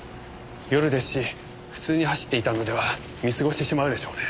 夜ですし普通に走っていたのでは見過ごしてしまうでしょうね。